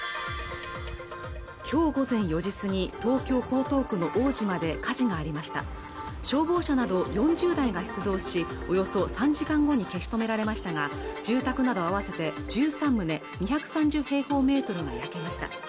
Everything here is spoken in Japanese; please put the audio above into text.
今日午前４時過ぎ東京江東区の大島で火事がありました消防車など４０台が出動しおよそ３時間後に消し止められましたが住宅など合わせて１３棟２３０平方メートルが焼けました